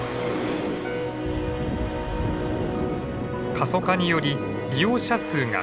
過疎化により利用者数が減少。